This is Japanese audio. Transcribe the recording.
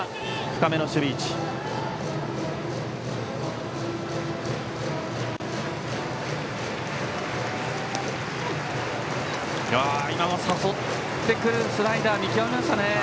今のも誘ってくるスライダーを見極めましたね。